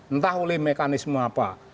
entah oleh mekanisme apa